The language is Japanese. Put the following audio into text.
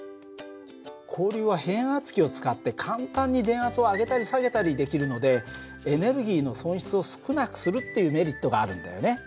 交流は変圧器を使って簡単に電圧を上げたり下げたりできるのでエネルギーの損失を少なくするっていうメリットがあるんだよね。